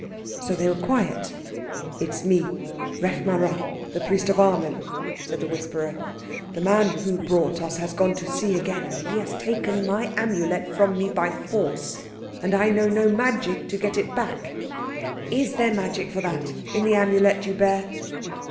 So they were quiet. "It's me, Rekh marā, the Priest of Amen," said the whisperer. "The man who brought us has gone to sea again, and he has taken my Amulet from me by force, and I know no magic to get it back. Is there magic for that in the Amulet you bear?"